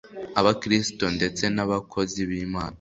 abakristo ndetse n'abakozi b'imana